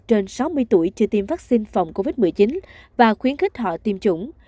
trên sáu mươi tuổi chưa tiêm vaccine phòng covid một mươi chín và khuyến khích họ tiêm chủng